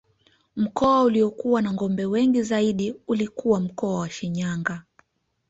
Mkoa uliokuwa na ngombe wengi zaidi ulikuwa mkoa wa Shinyanga